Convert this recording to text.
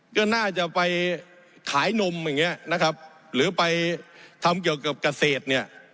ก็น่าจะไปขายนมอย่างเงี้ยนะครับหรือไปทำเกี่ยวกับเกษตรเนี่ย